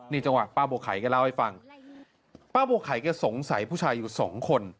นี่จังหวะป้าบัวไข่แกเล่าให้ฟังป้าบัวไข่แกสงสัยผู้ชายอยู่สองคน